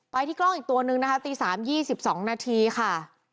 ที่กล้องอีกตัวนึงนะคะตี๓๒๒นาทีค่ะ